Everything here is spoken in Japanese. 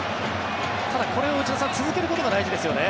ただこれを内田さん続けることが大事ですよね。